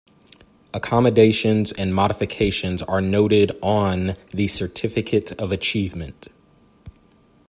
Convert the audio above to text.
Accommodations and modifications are noted on the certificate of achievement.